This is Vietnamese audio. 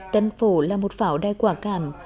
tân phổ là một phảo đai quả cảm